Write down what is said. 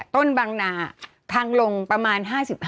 ต้นบางนาทางลงประมาณ๕๕